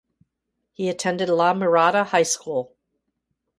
He attended La Mirada High School.